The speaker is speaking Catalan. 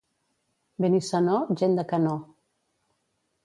Benissanó, gent de canó.